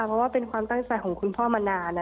เพราะว่าเป็นความตั้งใจของคุณพ่อมานาน